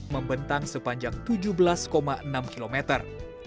membentang sepanjang tujuh belas enam kilometer